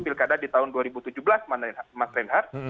pilkada di tahun dua ribu tujuh belas mas reinhardt